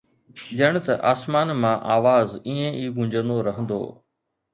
ڄڻ ته آسمان مان آواز ائين ئي گونجندو رهندو.